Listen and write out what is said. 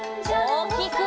おおきく！